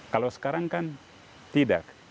kalau sekarang kan tidak